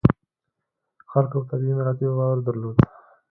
خلکو په طبیعي مراتبو باور درلود.